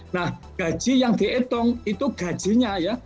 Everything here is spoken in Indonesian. nah gaji yang dihitung itu gajinya ya